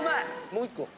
もう１個。